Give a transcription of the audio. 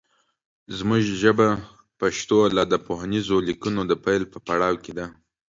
زمونږ ژبه پښتو لا د پوهنیزو لیکنو د پیل په پړاو کې ده